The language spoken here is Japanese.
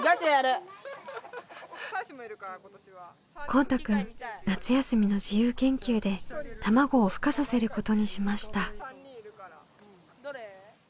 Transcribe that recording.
こうたくん夏休みの自由研究で卵をふ化させることにしました。